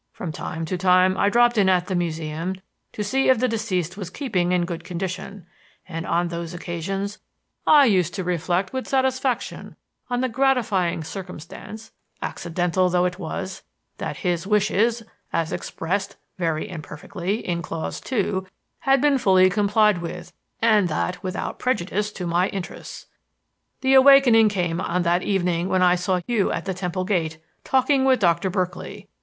From time to time I dropped in at the Museum to see if the deceased was keeping in good condition; and on those occasions I used to reflect with satisfaction on the gratifying circumstance accidental though it was that his wishes, as expressed (very imperfectly) in clause two, had been fully complied with, and that without prejudice to my interests. "The awakening came on that evening when I saw you at the Temple gate talking with Doctor Berkeley.